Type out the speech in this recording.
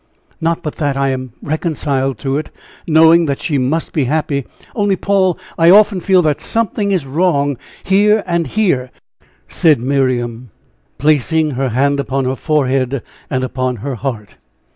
Not but that I am reconciled to it knowing that she must be happy only, Paul, I often feel that something is wrong here and here," said Miriam, placing her hand upon her forehead and upon her heart.